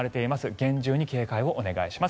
厳重に警戒をお願いします。